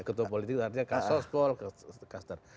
ketua politik artinya kassospol kaster